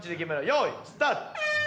よーいスタート！